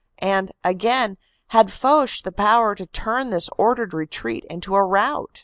And, again, had Foch the power to turn this ordered retreat into a rout?